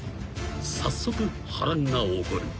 ［早速波乱が起こる］